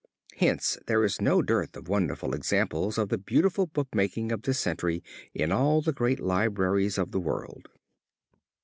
Hence there is no dearth of wonderful examples of the beautiful bookmaking of this century in all the great libraries of the world.